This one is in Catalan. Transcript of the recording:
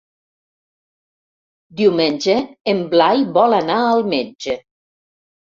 Diumenge en Blai vol anar al metge.